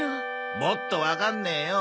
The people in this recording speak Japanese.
もっとわかんねえよ！